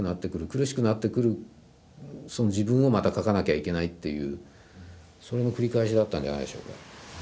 苦しくなってくるその自分をまた書かなきゃいけないっていうそれの繰り返しだったんじゃないでしょうか。